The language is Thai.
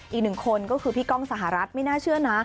อีกหนึ่งคนก็คือพี่ก้องสหรัฐไม่น่าเชื่อนะ